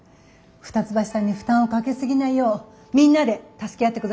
二ツ橋さんに負担をかけ過ぎないようみんなで助け合ってくださいね。